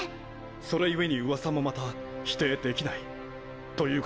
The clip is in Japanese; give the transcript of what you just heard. それ故に噂もまた否定できないということですか？